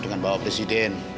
dengan bapak presiden